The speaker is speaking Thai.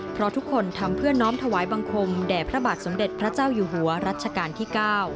เพราะทุกคนทำเพื่อน้อมถวายบังคมแด่พระบาทสมเด็จพระเจ้าอยู่หัวรัชกาลที่๙